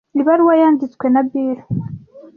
Ibaruwa yanditswe na Bill.